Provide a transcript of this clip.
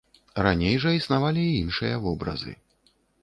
Раней жа існавалі і іншыя вобразы.